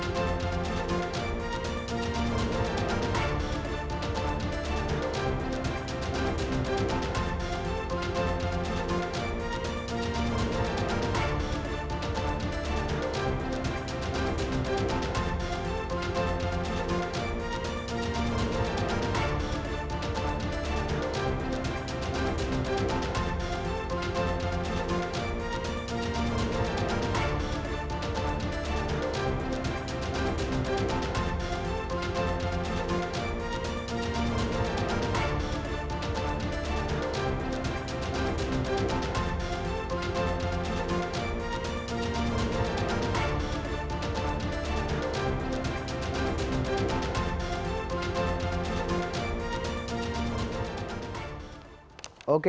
dan bagaimana super sesat undang undang yang dibel trajectory